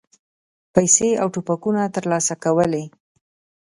پیسې او توپکونه ترلاسه کولې.